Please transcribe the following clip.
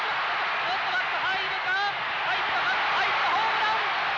入るか入ったホームラン！